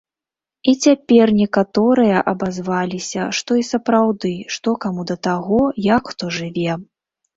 І цяпер некаторыя абазваліся, што і сапраўды, што каму да таго, як хто жыве?